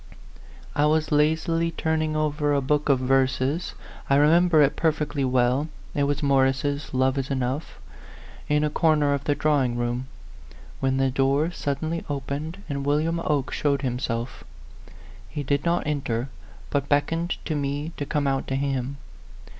I was lazily turning over a book of verses I remember it perfectly well, it was Morris's " Love is Enough " in a corner of the drawing room, when the door suddenly opened and William Oke showed himself. He did not enter, but beckoned to me to come out to him.